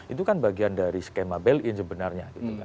itu kan bagian dari skema buil in sebenarnya